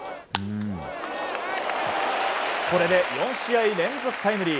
これで４試合連続タイムリー。